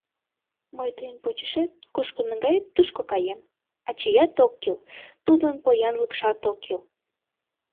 Мый тыйын почешет, кушко наҥгает, тушко каем: ачыят ок кӱл, тудын поянлыкшат ок кӱл...